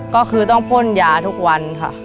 ก็คือต้องพ่นยาทุกวันค่ะ